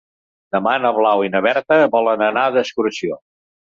Demà na Blau i na Berta volen anar d'excursió.